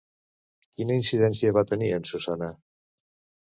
Quina incidència van tenir en Susana?